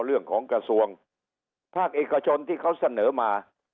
เรื่องของกระทรวงภาคเอกชนที่เขาเสนอมา